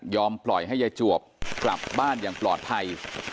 ปล่อยให้ยายจวบกลับบ้านอย่างปลอดภัย